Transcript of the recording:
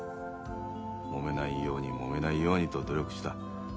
もめないようにもめないようにと努力した。